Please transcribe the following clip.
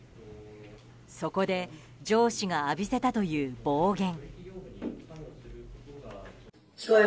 そこで上司が浴びせたという暴言。